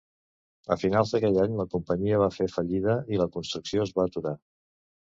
A finals d'aquell any la companyia va fer fallida i la construcció es va aturar.